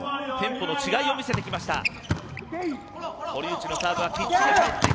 テンポの違いを見せてきました。